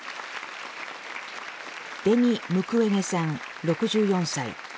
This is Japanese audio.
デニ・ムクウェゲさん６４歳。